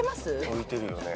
浮いてるよね。